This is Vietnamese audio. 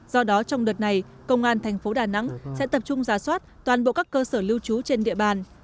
do đó trong đợt này công an thành phố đà nẵng sẽ tập trung giả soát toàn bộ các cơ sở lưu trú trên địa bàn